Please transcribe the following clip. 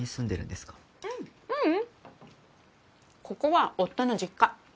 ここは夫の実家。